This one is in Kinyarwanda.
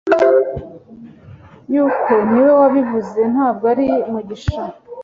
Yuko niwe wabivuze, ntabwo ari Mugisha